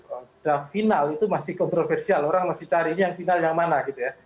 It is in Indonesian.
sudah final itu masih kontroversial orang masih cari ini yang final yang mana gitu ya